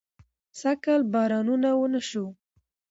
سږکال بارانونه ونه شو